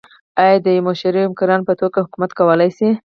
آیا دی د يوه مشروع حکمران په توګه حکومت کولای شي؟